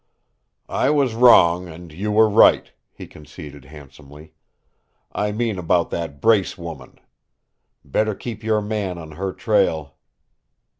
"I was wrong, and you were right," he conceded, handsomely; "I mean about that Brace woman. Better keep your man on her trail."